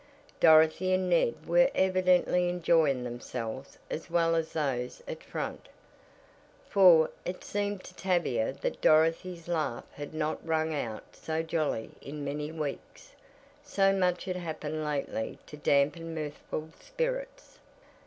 Dorothy and Ned were evidently enjoying themselves as well as those at front, for, it seemed to Tavia that Dorothy's laugh had not rung out so jolly in many weeks so much had happened lately to dampen mirthful spirits.